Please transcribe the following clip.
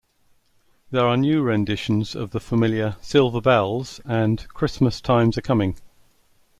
There are new renditions of the familiar "Silver Bells" and "Christmas Time's a-Coming.